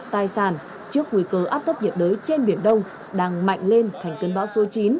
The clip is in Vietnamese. tài sản trước nguy cơ áp thấp nhiệt đới trên biển đông đang mạnh lên thành cơn bão số chín